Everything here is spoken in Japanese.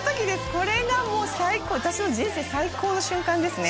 これがもう最高私の人生最高の瞬間ですね